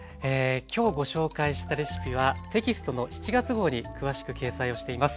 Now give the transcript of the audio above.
今日ご紹介したレシピはテキストの７月号に詳しく掲載をしています。